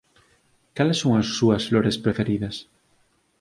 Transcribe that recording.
Cales son as súas flores preferidas?